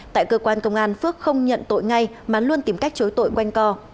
tại cơ quan công an phước không nhận tội ngay mà luôn tìm cách chối tội quanh co